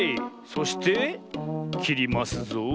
そしてきりますぞ。